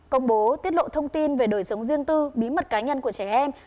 công bố tiết lộ thông tin về đời sống riêng tư bí mật cá nhân của trẻ em